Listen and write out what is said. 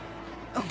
あっ！